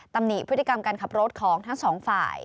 หนิพฤติกรรมการขับรถของทั้งสองฝ่าย